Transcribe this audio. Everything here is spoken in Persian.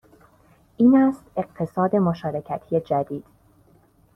این است اقتصاد مشارکتی جدید